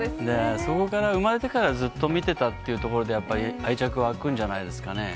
そこから生まれてからずっと見てたっていうところで、やっぱり、愛着が湧くんじゃないですかね。